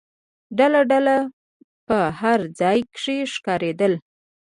ډله ډله په هر ځای کې ښکارېدل.